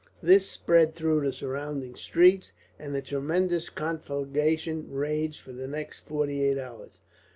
This spread through the surrounding streets, and a tremendous conflagration raged for the next forty eight hours.